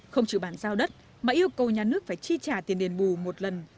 không chịu bàn giao đất mà yêu cầu nhà nước phải chi trả tiền đền bù một lần